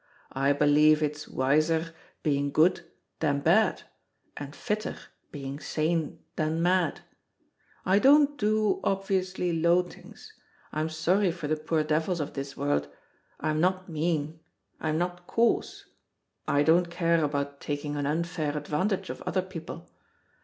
"I believe it's wiser being good than bad, and fitter being sane than mad. I don't do obviously low things, I am sorry for the poor devils of this world, I'm not mean, I'm not coarse, I don't care about taking an unfair advantage of other people.